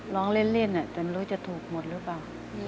ร้องเล่นจะถูกหมดหรือเปล่า